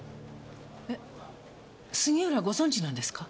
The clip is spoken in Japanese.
え杉浦ご存知なんですか？